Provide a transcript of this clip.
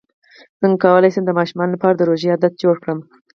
څنګه کولی شم د ماشومانو لپاره د روژې عادت جوړ کړم